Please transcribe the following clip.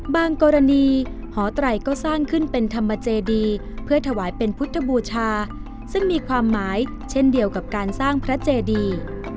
กรณีหอไตรก็สร้างขึ้นเป็นธรรมเจดีเพื่อถวายเป็นพุทธบูชาซึ่งมีความหมายเช่นเดียวกับการสร้างพระเจดี